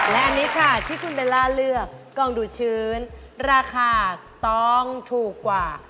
และอันนี้ค่ะที่คุณเบลล่าเลือกกองดูดชื้นราคาต้องถูกกว่า